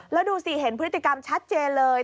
แล้วดูสิเห็นพฤติกรรมชัดเจนเลย